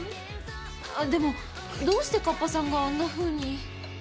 でもどうして河童さんがあんなふうに？